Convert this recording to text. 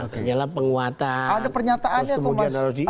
kenyalah penguatan terus kemudian harus di ini